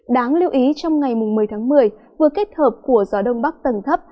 đáng lưu ý trong ngày một mươi tháng một mươi vừa kết hợp của gió đông bắc tầng thấp